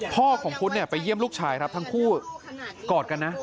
พ่อของพุทธเนี่ยไปเยี่ยมลูกชายครับทั้งคู่กอดกันนะ